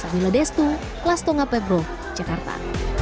kelas tunggak pebro jakarta